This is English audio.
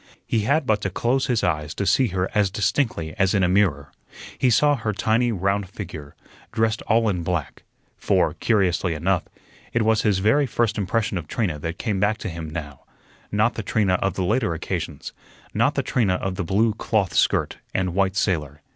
He had but to close his eyes to see her as distinctly as in a mirror. He saw her tiny, round figure, dressed all in black for, curiously enough, it was his very first impression of Trina that came back to him now not the Trina of the later occasions, not the Trina of the blue cloth skirt and white sailor.